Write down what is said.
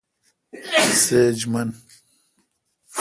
سیج من۔